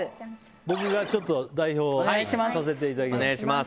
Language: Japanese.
僕がちょっと代表させていただきます。